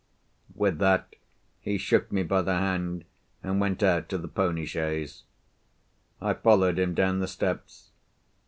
With that he shook me by the hand, and went out to the pony chaise. I followed him down the steps.